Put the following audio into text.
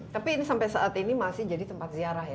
tapi ini sampai saat ini masih jadi tempat ziarah ya